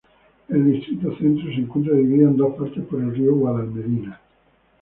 El distrito centro se encuentra dividido en dos partes por el río Guadalmedina.